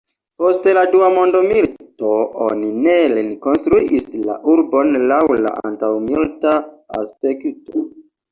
Post la Dua Mondmilito oni ne rekonstruis la urbon laŭ la antaŭmilita aspekto.